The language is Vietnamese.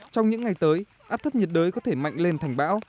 trong những ngày tới áp thấp nhiệt đới có thể mạnh lên thành bão